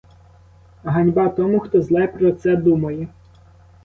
Ганьба тому, хто зле про це думає!